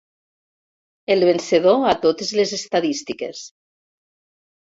El vencedor a totes les estadístiques.